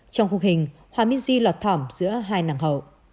trong khung hình hòa minh di lọt thỏm giữa hai nàng hậu